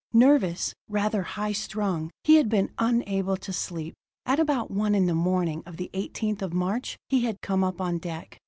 Nervous, rather high strung, he had been unable to sleep; at about one in the morning of the 18th of March, he had come up on deck.